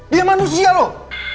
dia manusia loh